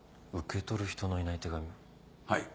はい。